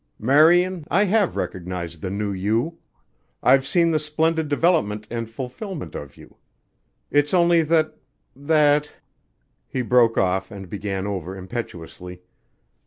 "Marian, I have recognized the new you: I've seen the splendid development and fulfilment of you. It's only that ... that " He broke off and began over impetuously.